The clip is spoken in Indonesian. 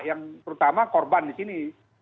yang terutama korban disini